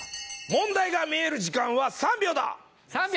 問題が見える時間は３秒だ！